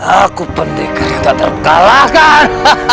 aku pendekar yang tak terkalahkan